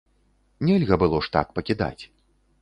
Нельга было ж так пакідаць.